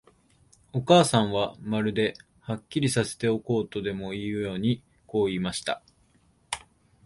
お母さんは、まるで、はっきりさせておこうとでもいうように、こう言いました。